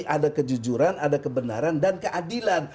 ada kejujuran ada kebenaran dan keadilan